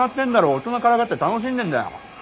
大人からかって楽しんでんだよ。